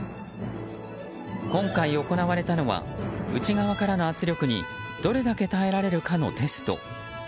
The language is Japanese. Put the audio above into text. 今回行われたのは内側からの圧力にどれだけ耐えられるかのテスト。